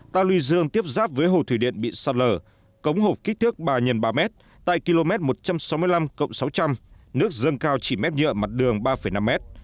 ta luy dương tiếp giáp với hồ thủy điện bị sạt lở cống hộp kích thước ba x ba m tại km một trăm sáu mươi năm sáu trăm linh nước dâng cao chỉ mép nhựa mặt đường ba năm mét